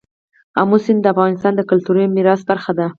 آمو سیند د افغانستان د کلتوري میراث برخه ده.